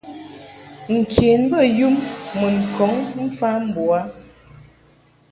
Nken bey um mun kɔŋ mfa mbo u a.